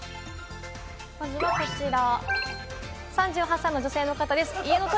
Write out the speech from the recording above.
まずはこちら。